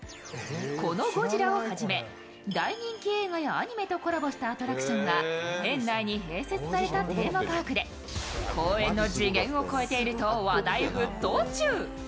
このゴジラをはじめ、大人気映画やアニメとコラボしたアトラクションが園内に併設されたテーマパークで公園の次元を超えていると話題沸騰中。